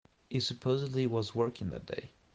He supposedly was working that day.